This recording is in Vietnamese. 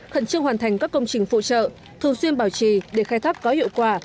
khẩn trương hoàn thành các công trình phụ trợ thường xuyên bảo trì để khai thác có hiệu quả